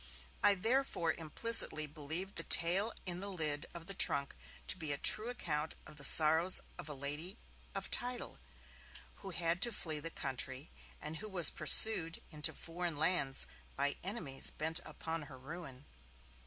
I therefore implicitly believed the tale in the lid of the trunk to be a true account of the sorrows of a lady of title, who had to flee the country, and who was pursued into foreign lands by enemies bent upon her ruin.